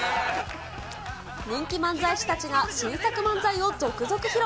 人気漫才師たちが、新作漫才を続々披露。